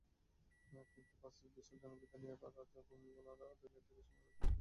কিন্তু বাস্তবে বিশাল জনপ্রিয়তা নিয়ে রাজা ভুমিবল আদুলিয়াদেজ দীর্ঘ সময় রাজত্ব করেছেন।